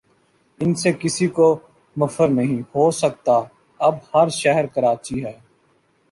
ان سے کسی کو مفر نہیں ہو سکتا اب ہر شہر کراچی ہے۔